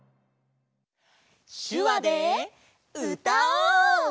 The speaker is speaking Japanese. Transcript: しゅわでうたおう！